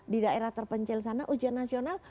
di daerah terpencil sana ujian nasional